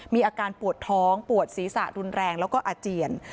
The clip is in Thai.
มีอาการปวดท้องปวดศีรษะรุนแรงแล้วก็อาเจียน